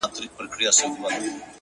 څه ليونې ومه جانان ته مې ځوانې خاوری کړه